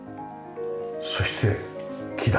そして木だ。